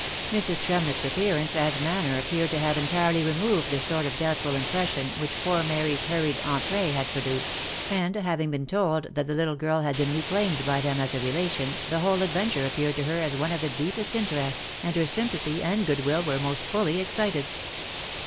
Mrs. Tremlett's appearance and manner appeared to have entirely removed the sort of doubtful im pression which poor Mary's hurried entree had produced, and having been told that the little girl had been reclaimed by them as a relation, the whole adventure appeared to her as one of the deepest interest, and her sympathy and good will were most fully excited.